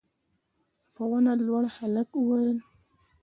په ونه لوړ هلک وويل: